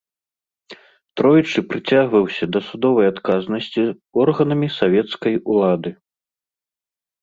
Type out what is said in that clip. Тройчы прыцягваўся да судовай адказнасці органамі савецкай улады.